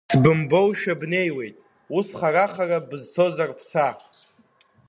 Сбымбоушәа бнеиуеит, ус хара-хара, бызцозар, бца!